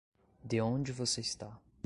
De onde você está?